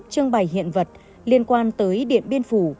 trưng bày hiện vật liên quan tới điện biên phủ